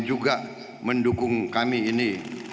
juga mendukung kami ini